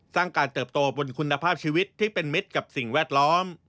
สร้างการเติบโตบนคุณภาพชีวิตที่เป็นมิตรกับสิ่งแวดล้อม